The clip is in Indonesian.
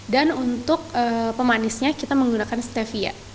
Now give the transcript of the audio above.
dan untuk pemanisnya kita menggunakan stevia